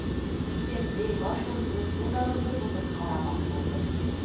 Битемде, башымды, ҡулдарымды тотоп ҡарамаҡ булдым.